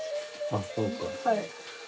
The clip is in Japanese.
はい。